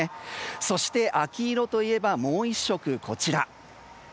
そして、秋色といえばもう１色、こちら。